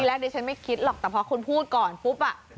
แรกดิฉันไม่คิดหรอกแต่พอคุณพูดก่อนปุ๊บอ่ะ